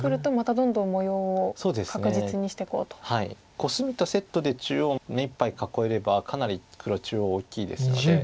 コスミとセットで中央目いっぱい囲えればかなり黒中央大きいですので。